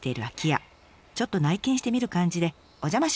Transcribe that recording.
ちょっと内見してみる感じでお邪魔します。